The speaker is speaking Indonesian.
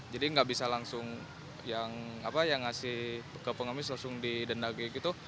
jadi gak bisa langsung yang ngasih ke pengamis langsung didenda gitu